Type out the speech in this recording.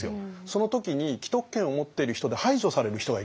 その時に既得権を持ってる人で排除される人がいるんですよ。